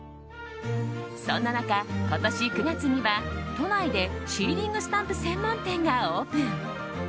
そんな中、今年９月には都内でシーリングスタンプ専門店がオープン。